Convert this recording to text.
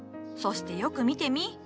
そしてよく見てみ。